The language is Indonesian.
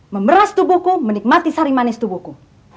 memeras tubuhku menikmati sari manis tubuhku